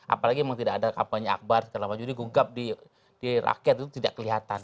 apalagi memang tidak ada kampanye akbar segala macam jadi gugap di rakyat itu tidak kelihatan